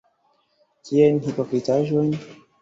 Kiajn hipokritaĵojn?